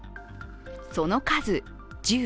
その数１５。